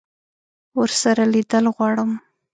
ورسره لیدل غواړم.